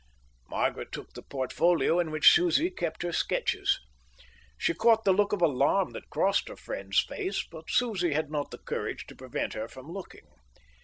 Margaret took the portfolio in which Susie kept her sketches. She caught the look of alarm that crossed her friend's face, but Susie had not the courage to prevent her from looking.